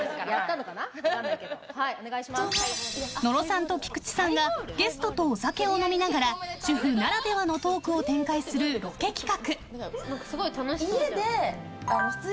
野呂さんと菊地さんがゲストとお酒を飲みながら主婦ならではのトークを展開するロケ企画。